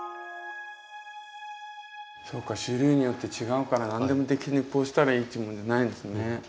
そうか種類によって違うから何でもこうしたらいいっていうもんじゃないんですね。